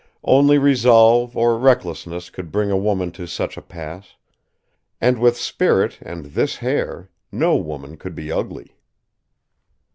Only resolve or recklessness could bring a woman to such a pass; and with spirit and this hair no woman could be ugly.